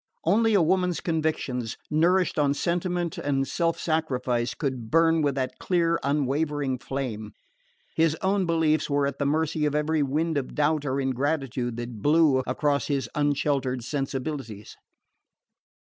Only a woman's convictions, nourished on sentiment and self sacrifice, could burn with that clear unwavering flame: his own beliefs were at the mercy of every wind of doubt or ingratitude that blew across his unsheltered sensibilities.